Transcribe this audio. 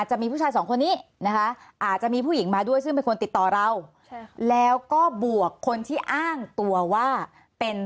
จะมีผู้ชายสองคนนี้นะคะอาจจะมีผู้หญิงมาด้วยซึ่งเป็น